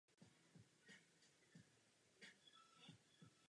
Hraje nejčastěji na pozici pravého křídla.